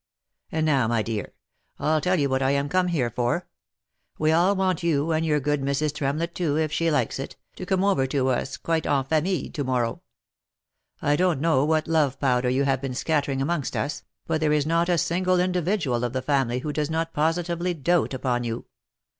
And now, my dear, I'll tell you what I am come here for. We all want you, and your good Mrs. Tremlett too, if she likes it, to come over to us quite enfamille to morrow. I don't know what love powder you have been scattering amongst us, but there is not a single individual of the family who does not positively dote upon you.